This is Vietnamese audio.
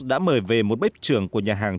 đã mời về một bếp trường của nhà hàng